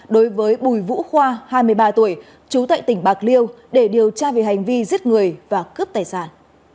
đối với bùi vũ khoa hai mươi ba tuổi trú tại tỉnh bạc liêu để điều tra về hành vi giết người và cướp tài sản